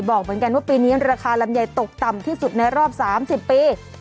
บอกเหมือนกันว่าปีนี้ราคาลำไยตกต่ำที่สุดในรอบ๓๐ปี